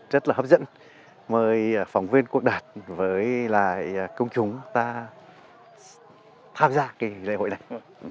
rất là hấp dẫn mời phóng viên quốc đạt với lại công chúng ta tham gia cái lễ hội này